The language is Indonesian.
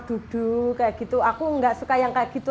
duduk kayak gitu aku nggak suka yang kayak gitu